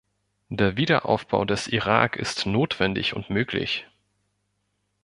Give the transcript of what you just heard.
Der Wiederaufbau des Irak ist notwendig und möglich.